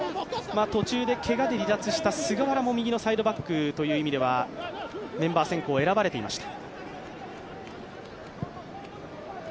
途中でけがで離脱した菅原も右のサイドバックという意味ではメンバー選考、選ばれていました。